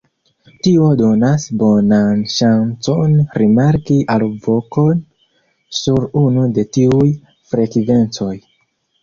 Tio donas bonan ŝancon rimarki alvokon sur unu de tiuj frekvencoj.